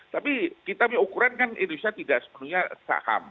tapi kita punya ukuran kan indonesia tidak sepenuhnya saham